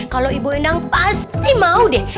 kalau ibu endang pasti mau deh